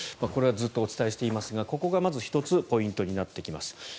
これはずっとお伝えしていますがここがまず１つポイントになってきます。